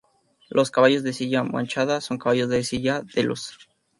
Los caballos de Silla Manchada son caballos de silla de luz.